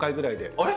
あれ？